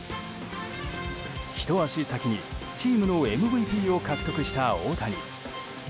ひと足先にチームのＭＶＰを獲得した大谷。